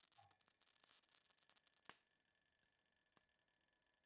خو زموږ قاتلان دې په دې پوه شي چې دوی به دا لوبه وبایلي.